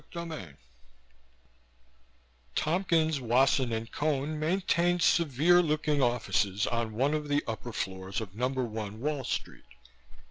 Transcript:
CHAPTER 7 Tompkins, Wasson & Cone maintained sincere looking offices on one of the upper floors of No. 1 Wall Street.